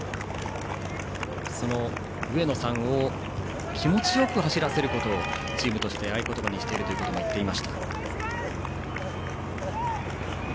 その上野さんを気持ちよく走らせることをチームとして合言葉にしていると言っていました。